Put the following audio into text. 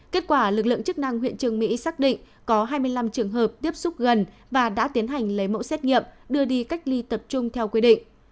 kết quả lực lượng chức năng huyện trường mỹ xác định có hai mươi năm trường hợp tiếp xúc gần và đã tiến hành lấy mẫu xét nghiệm đưa đi cách ly tập trung theo quy định